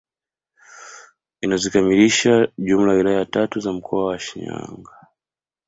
Inazikamilisha jumla ya wilaya tatu za mkoa wa Shinyanga